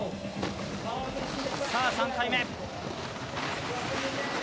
３回目。